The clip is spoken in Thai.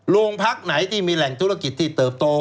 โรงพักไหนที่มีแหล่งธุรกิจที่เติบโต